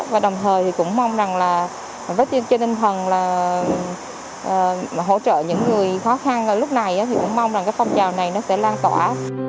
và đồng thời cũng mong rằng là với chân tinh thần là hỗ trợ những người khó khăn lúc này thì cũng mong rằng phong trào này nó sẽ lan tỏa